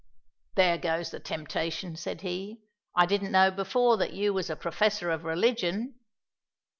"There goes the temptation," said he. "I didn't know before that you was a professor of religion."